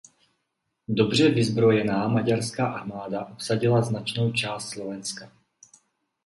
Dobře vyzbrojená maďarská armáda obsadila značnou část Slovenska.